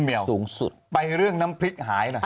หรือสูงสุดคุณเมียลไปเรื่องน้ำพริกหายหรอ